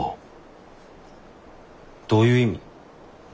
どういう意味？